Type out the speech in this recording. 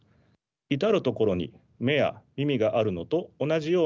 至る所に目や耳があるのと同じような状況です。